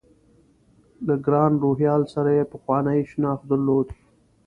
له ګران روهیال سره یې پخوانی شناخت درلود.